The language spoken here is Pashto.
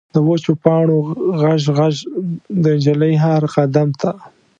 د وچو پاڼو غژ، غژ، د نجلۍ هر قدم ته